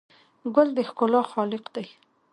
ګل د ښکلا خالق دی.